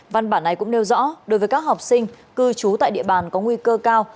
văn bản này cũng nêu rõ đối với các học sinh cư trú tại địa bàn có nguy cơ cao